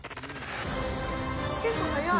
結構速い。